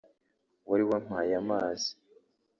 wari wampaye amazi